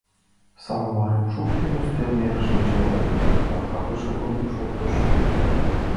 Самоварым шуктен, ӱстел йыр шинчыныт ыле — капка почылтмо йӱк шоктыш.